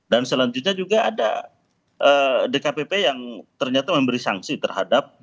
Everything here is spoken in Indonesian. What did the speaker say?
dan selanjutnya juga ada dkpp yang ternyata memberi sanksi terhadap